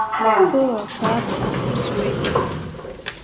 Сыла шааԥшуа сыԥсуеит!